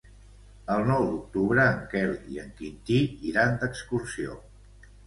El nou d'octubre en Quel i en Quintí iran d'excursió.